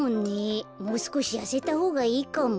もうすこしやせたほうがいいかも。